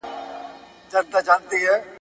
او له خپلو خلکو سره خدای او بقا ته رسېدل غواړي